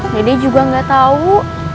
dede juga gak tau